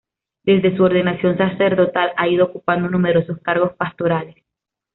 Desde su ordenación sacerdotal ha ido ocupando numerosos cargos pastorales.